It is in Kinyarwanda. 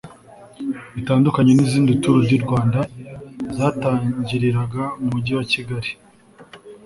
Bitandukanye n’izindi Tour du Rwanda zatangiriraga mu Mujyi wa Kigali